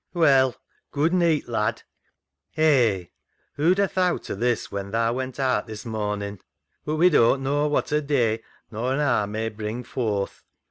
" Well, good neet, lad ! Hay I who'd a thowt o' this when tha went aat this morning? But we doan't know what a day nor an haar may bring forth.